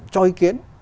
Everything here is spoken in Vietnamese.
cho ý kiến